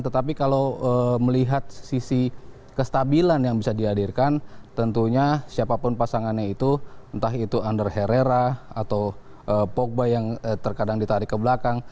tetapi kalau melihat sisi kestabilan yang bisa dihadirkan tentunya siapapun pasangannya itu entah itu under herrera atau pogba yang terkadang ditarik ke belakang